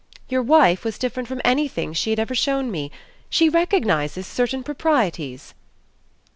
"Your wife was different from anything she had ever shown me. She recognises certain proprieties."